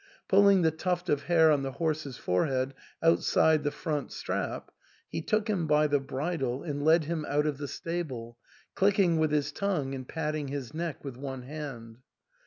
Pull ing the tuft of hair on the horse's forehead outside the front strap, he took him by the bridle and led him out of the stable, clicking with his tongue and patting his neck with one hand.